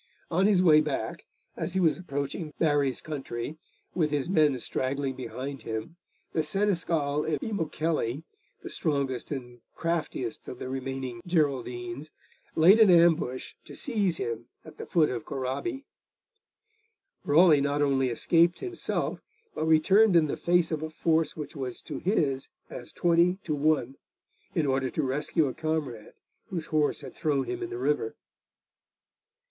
On his way back, as he was approaching Barry's country, with his men straggling behind him, the Seneschal of Imokelly, the strongest and craftiest of the remaining Geraldines, laid an ambush to seize him at the ford of Corabby. Raleigh not only escaped himself, but returned in the face of a force which was to his as twenty to one, in order to rescue a comrade whose horse had thrown him in the river.